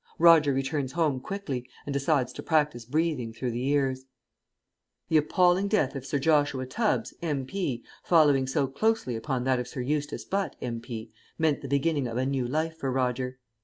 Roger returns home quickly, and decides to practise breathing through the ears. CHAPTER XCI PREPARATION The appalling death of Sir Joshua Tubbs, M.P., following so closely upon that of Sir Eustace Butt, M.P., meant the beginning of a new life for Roger.